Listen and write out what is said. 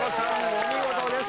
お見事です。